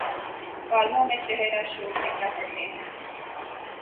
کالموں میں شہر آشوب لکھنا پڑتے ہیں۔